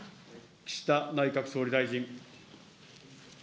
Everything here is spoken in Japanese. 岸田内閣総理大臣。